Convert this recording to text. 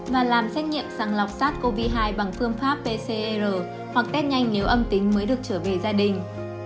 và làm xét nghiệm sàng lọc sát covid một mươi chín bằng phương pháp pcr hoặc tết nhanh nếu âm tính mới được trở về gia đình